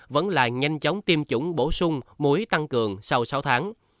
vẫn là nhanh chóng tiêm chủng bổ sung muối tăng cường sau sáu tháng